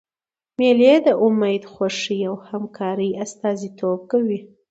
مېلې د امېد، خوښۍ او همکارۍ استازیتوب کوي.